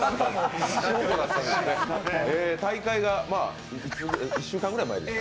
大会が１週間ぐらい前でしたか？